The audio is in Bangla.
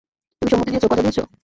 তুমি সম্মতি দিয়েছো, কথা দিয়েছো।